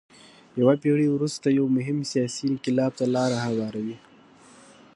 یوه پېړۍ وروسته یو مهم سیاسي انقلاب ته لار هواروي.